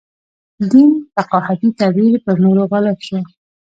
دین فقاهتي تعبیر پر نورو غالب شو.